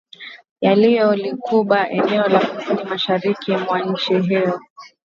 yaliyo likuba eneo la kusini mashariki mwa nchi hiyo